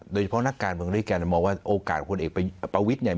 โดยเฉพาะนักการพื้นฯด้วยกันมองว่าโอกาสพลวงเอกประวิทยุทธิ์